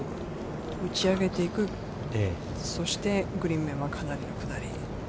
打ち上げていく、そしてグリーン面はかなりの下り。